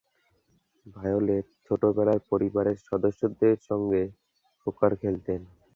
Violet ছোটবেলায় পরিবারের সদস্যদের সঙ্গে পোকার খেলতেন।